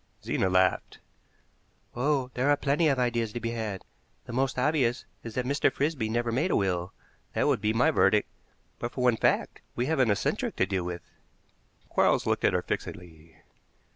Zena laughed. "Oh! there are plenty of ideas to be had; the most obvious is that Mr. Frisby never made a will. That would be my verdict but for one fact: we have an eccentric to deal with." Quarles looked at her fixedly.